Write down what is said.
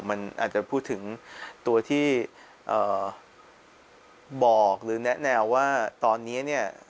มันอาจจะพูดถึงตัวที่บอกหรือแนะแนวว่าตอนนี้เนี่ย